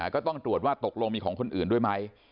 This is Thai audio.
ก็ต้องตรวจว่าตกลงมีของคนอื่นด้วยไหม